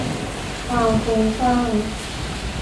ความฟุ้งซ่าน